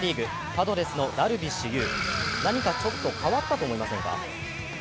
パドレスのダルビッシュ有、何かちょっと変わったと思いませんか？